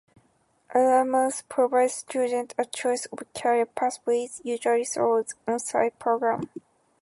Aranmore provides students with a choice of career pathways, usually through the OnSite program.